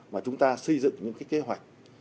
và chúng ta xây dựng những cái kế hoạch